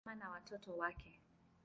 Ni mama na watoto wake.